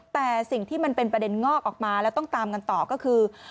แต่สิ่งที่มันเป็นประเด็นงอกออกมาแล้วต้องตามกันต่อก็คือ